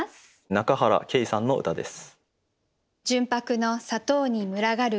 仲原佳さんの歌です。